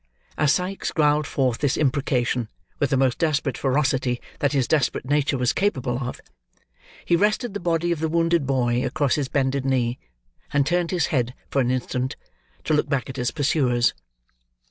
As Sikes growled forth this imprecation, with the most desperate ferocity that his desperate nature was capable of, he rested the body of the wounded boy across his bended knee; and turned his head, for an instant, to look back at his pursuers.